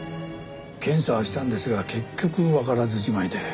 検査はしたんですが結局わからずじまいで。